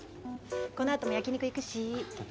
このあとも焼き肉行くし。